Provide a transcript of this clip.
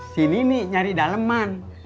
sini nih nyari daleman